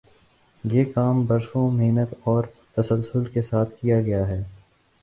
یہ کام برسوں محنت اور تسلسل کے ساتھ کیا گیا ہے۔